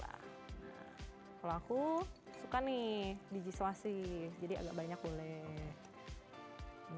kalau aku suka nih biji swasi jadi agak banyak boleh